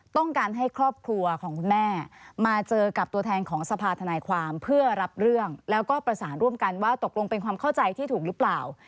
ต้องการให้ครอบครัวของคุณแม่มาเจอกับตัวแทนของสภาธนายความเพื่อรับเรื่องแล้วก็ประสานร่วมกันว่าตกลงเป็นความเข้าใจที่ถูกหรือเปล่า